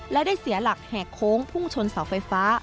และได้เสียหลักแหกโค้งพุ่งชนเสาไฟฟ้า